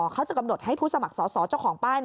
เขาจะกำหนดให้ผู้สมัครสอสอเจ้าของป้าย